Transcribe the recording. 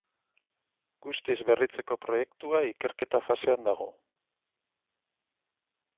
Guztiz berritzeko proiektua ikerketa fasean dago.